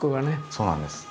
そうなんです。